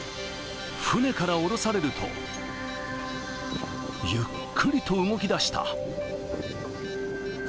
船から降ろされると、ゆっくりと動きだした。